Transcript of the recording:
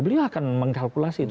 beliau akan mengkalkulasi itu